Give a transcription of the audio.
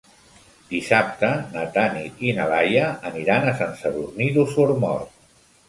Dissabte na Tanit i na Laia aniran a Sant Sadurní d'Osormort.